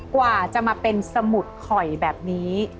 กว่าจะมาเป็นสมุดข่อยแบบนี้